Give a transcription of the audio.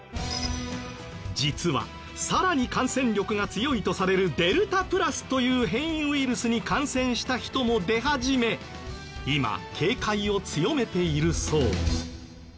実はさらに感染力が強いとされるデルタプラスという変異ウイルスに感染した人も出始め今警戒を強めているそう。